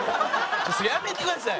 それやめてください！